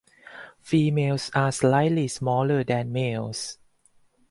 Females are slightly smaller than males.